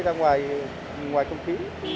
ra ngoài công ký